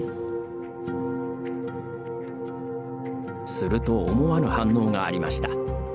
すると思わぬ反応がありました。